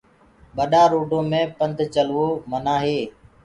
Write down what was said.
ٻڏآ روڊو مي پنڌ چلوو منآ هي۔